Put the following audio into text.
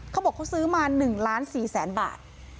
เขาบอกเขาซื้อมา๑๔๐๐๐๐๐บาท